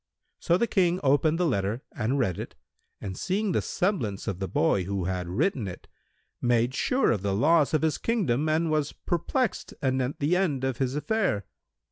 So the King opened the letter and read it and seeing the semblance of the boy who had written it, made sure of the loss of his kingdom and was perplexed anent the end of his affair.